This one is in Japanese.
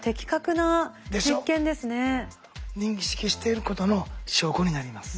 認識していることの証拠になります。